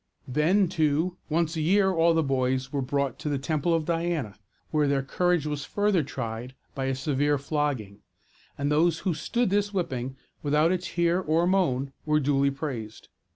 Then, too, once a year all the boys were brought to the Temple of Diana, where their courage was further tried by a severe flogging; and those who stood this whipping without a tear or moan were duly praised.